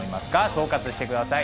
総括して下さい。